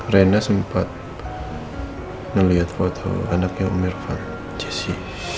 rena sempat melihat foto anaknya umirvan jessy